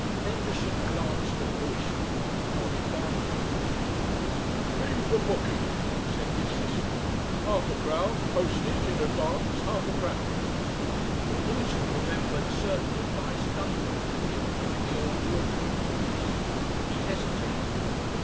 Blendershin glanced at Lewisham and nodded doubtfully. "Fee for booking," said the assistant; "half a crown, postage in advance half a crown." But Lewisham remembered certain advice Dunkerley had given him in the old Whortley days. He hesitated.